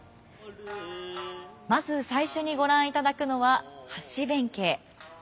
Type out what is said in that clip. まず最初にご覧いただくのは「橋弁慶」。